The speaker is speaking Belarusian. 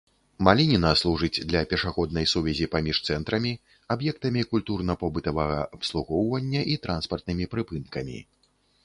Малініна служыць для пешаходнай сувязі паміж цэнтрамі, аб'ектамі культурна-побытавага абслугоўвання і транспартнымі прыпынкамі.